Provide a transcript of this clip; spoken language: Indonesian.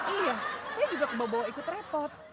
iya saya juga kebawa bawa ikut repot